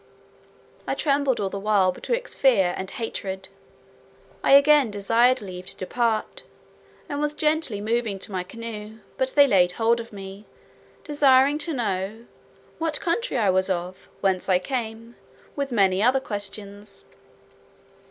I trembled all the while betwixt fear and hatred. I again desired leave to depart, and was gently moving to my canoe; but they laid hold of me, desiring to know, "what country I was of? whence I came?" with many other questions.